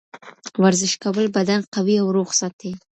ورزش کول بدن قوي او روغ ساتي.